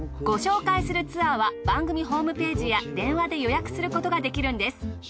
ご紹介するツアーは番組ホームページや電話で予約することができるんです。